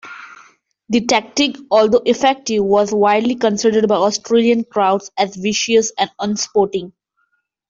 The tactic, although effective, was widely considered by Australian crowds as vicious and unsporting.